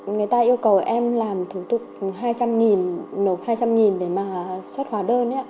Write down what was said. người ta yêu cầu em làm thủ tục hai trăm linh nộp hai trăm linh để mà xuất hóa đơn